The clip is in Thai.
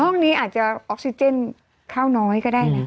ห้องนี้อาจจะออกซิเจนข้าวน้อยก็ได้นะ